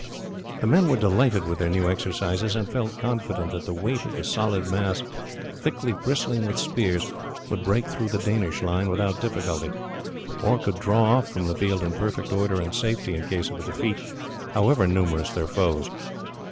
The men were delighted with their new exercises, and felt confident that the weight of the solid mass thickly bristling with spears would break through the Danish line without difficulty, or could draw off from the field in perfect order and safety in case of a defeat, however numerous their foes.